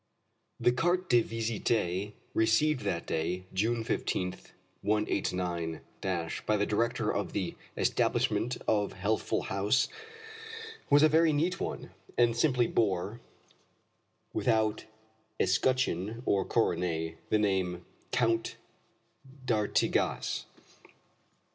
The carte de visite received that day, June 15, 189 , by the director of the establishment of Healthful House was a very neat one, and simply bore, without escutcheon or coronet, the name: COUNT D'ARTIGAS.